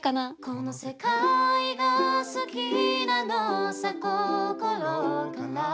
「この世界が好きなのさ心から」